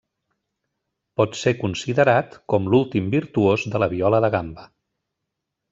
Pot ser considerat com l'últim virtuós de la viola de gamba.